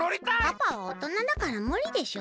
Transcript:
パパはおとなだからむりでしょ。